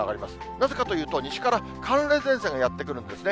なぜかというと、西から寒冷前線がやって来るんですね。